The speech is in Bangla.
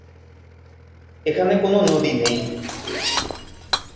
এখানে কোনো নদী নেই।